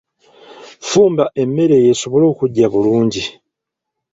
Fumba emmere eyo esobole okuggya bulungi.